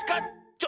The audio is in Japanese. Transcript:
ちょ。